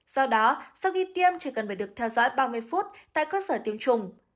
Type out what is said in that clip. do đó sau khi tiêm chỉ cần phải được theo dõi ba mươi phút tại cơ sở tiêm chủng